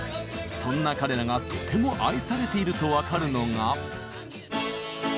そんな彼らがとても愛されていると分かるのが。